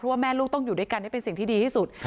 ว่าแม่ลูกต้องอยู่ด้วยกันให้เป็นสิ่งที่ดีที่สุด